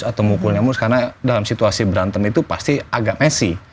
atau mukulnya mus karena dalam situasi berantem itu pasti agak messi